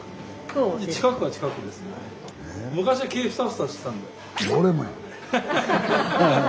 近くは近くですけど。